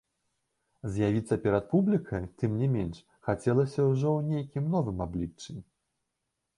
З'явіцца перад публікай, тым не менш, хацелася ўжо ў нейкім новым абліччы.